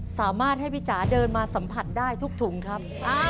สามารถให้พี่จ๋าเดินมาสัมผัสได้ทุกถุงครับ